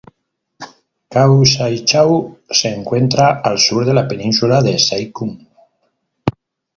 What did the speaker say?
Kau Sai Chau se encuentra al sur de la península de Sai Kung.